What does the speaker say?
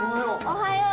おはよう。